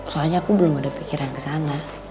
soalnya aku belum ada pikiran ke sana